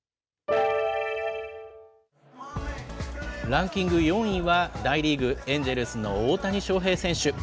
ランキング４位は、大リーグ・エンジェルスの大谷翔平選手。